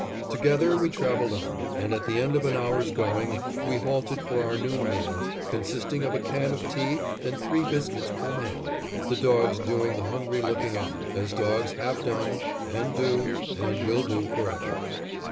Together we traveled on, and at the end of an hour's going we halted for our noon meal, consisting of a can of tea and three biscuits per man, the dogs doing the hungry looking on, as dogs have done and do and will do forever.